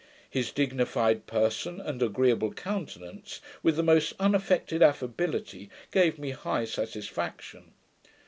His dignified person and agreeable countenance, with the most unaffected affability, gave me high satisfaction.